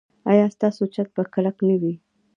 ایا ستاسو چت به کلک نه وي؟